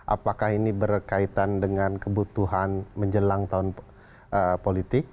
apakah ini berkaitan dengan kebutuhan menjelang tahun politik